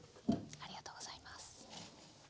ありがとうございます。